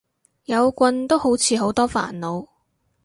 有棍都好似好多煩惱